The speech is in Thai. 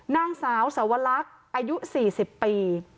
นางสาวสวรรคอายุ๔๐ปี